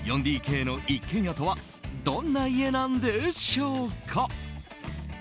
４ＤＫの一軒家とはどんな家なんでしょうか。